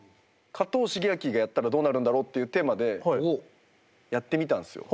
加藤シゲアキがやったらどうなるんだろうっていうテーマでやってみたんですよ。